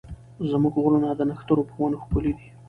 زموږ غرونه د نښترو په ونو ښکلي دي.